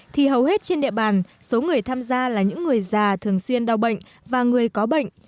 thì hầu hết trên địa bàn số người tham gia là những người già thường xuyên đau bệnh và người có bệnh